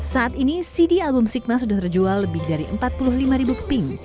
saat ini cd album sigma sudah terjual lebih dari empat puluh lima ribu keping